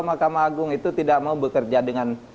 mahkamah agung itu tidak mau bekerja dengan